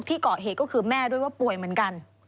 เกาะเหตุก็คือแม่ด้วยว่าป่วยเหมือนกัน